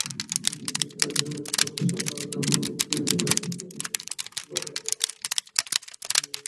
এ কাজের একটি প্রচেষ্টা হিসেবে তারা জার্মান অলিম্পিক স্পোর্টস ফেডারেশনের সদস্যপদ লাভ করেছে।